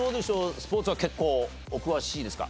スポーツは結構お詳しいですか？